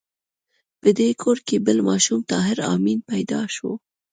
په دې کور کې بل ماشوم طاهر آمین پیدا شو